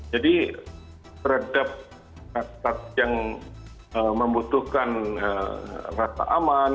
jadi terhadap kasus yang membutuhkan rasa aman